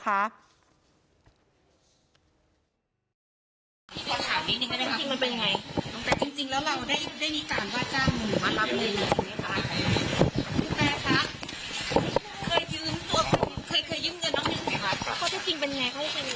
คุณแม่คะเคยยืมเงินน้องหนึ่งไหมคะเขาจะจริงเป็นไงเขาจะเป็นไง